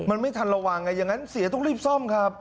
มันไม่ทันระวังอย่างนั้นเสียต้องรีบซ่อมครับ